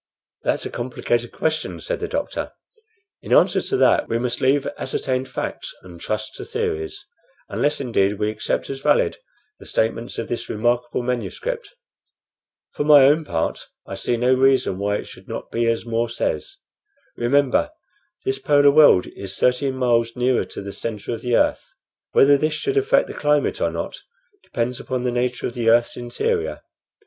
"That's a complicated question," said the doctor. "In answer to that we must leave ascertained facts and trust to theories, unless, indeed, we accept as valid the statements of this remarkable manuscript. For my own part, I see no reason why it should not be as More says. Remember, this polar world is thirteen miles nearer to the centre of the earth. Whether this should affect the climate or not, depends upon the nature of the earth's interior.